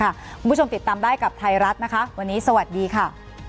คุณผู้ชมติดตามได้กับไทยรัฐนะคะวันนี้สวัสดีค่ะ